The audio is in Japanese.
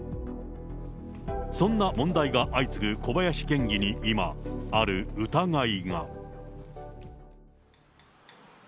そんな問題が相次ぐ小林県議に今、ある疑いが。